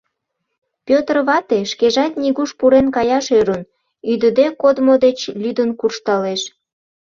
Петр вате шкежат нигуш пурен каяш ӧрын, ӱдыде кодмо деч лӱдын куржталеш.